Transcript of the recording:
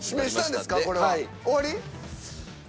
終わり？